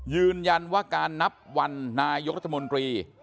ยืนยันว่าการนับวันนายกรัฐมนตรี